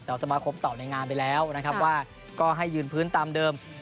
แต่ว่าสมาคมตอบในงานไปแล้วนะครับว่าก็ให้ยืนพื้นตามเดิม